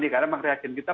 karena memang reagen kita